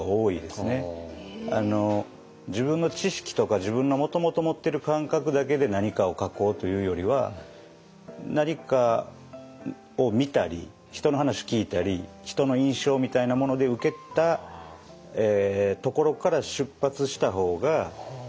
自分の知識とか自分のもともと持ってる感覚だけで何かを書こうというよりは何かを見たり人の話聞いたりっていうのとちょっと近いような気はしましたね。